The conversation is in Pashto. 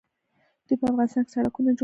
دوی په افغانستان کې سړکونه جوړ کړل.